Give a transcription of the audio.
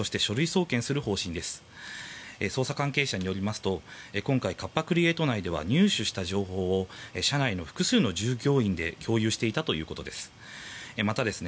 捜査関係者によりますと今回、カッパ・クリエイト内では入手した情報を社内の複数の従業員で共有していたということです。